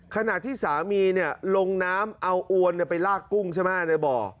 ขณะที่สามีลงน้ำเอาอวนไปลากกุ้งใช่ไหมในบ่อ